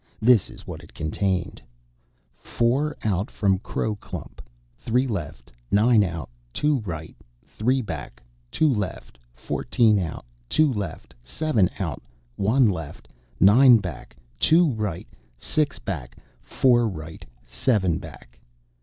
This is what it contained: "_Four out from crow clump: three left; nine out; two right; three back; two left; fourteen out; two left; seven out; one left; nine back; two right; six back; four right; seven back.